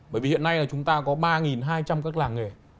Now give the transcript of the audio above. bởi vì hiện nay là chúng ta có ba hai trăm linh các làng nghề